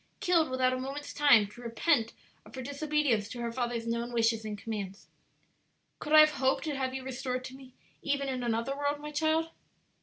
killed without a moment's time to repent of her disobedience to her father's known wishes and commands? Could I have hoped to have you restored to me even in another world, my child?"